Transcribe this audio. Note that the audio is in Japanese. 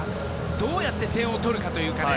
どうやって点を取るかというかね